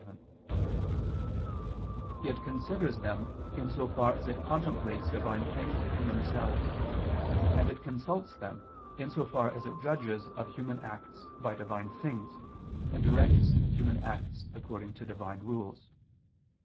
7]; it considers them, in so far as it contemplates Divine things in themselves, and it consults them, in so far as it judges of human acts by Divine things, and directs human acts according to Divine rules.